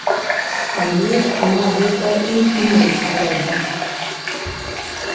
Але мы гэта імкнёмся рабіць.